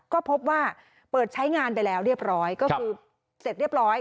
ก็พบว่าเปิดใช้งานไปแล้วเรียบร้อยก็คือเสร็จเรียบร้อย